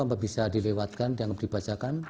untuk bisa dilewatkan dan dibacakan